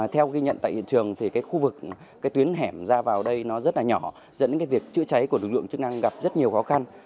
theo ghi nhận tại hiện trường khu vực tuyến hẻm ra vào đây rất nhỏ dẫn đến việc chữa cháy của lực lượng chức năng gặp rất nhiều khó khăn